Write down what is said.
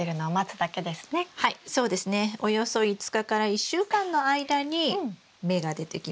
およそ５日から１週間の間に芽が出てきます。